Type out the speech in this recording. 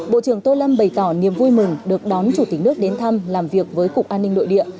bộ trưởng tô lâm bày tỏ niềm vui mừng được đón chủ tịch nước đến thăm làm việc với cục an ninh nội địa